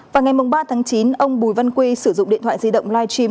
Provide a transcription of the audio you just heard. vào ngày ba tháng chín ông bùi văn quy sử dụng điện thoại di động live stream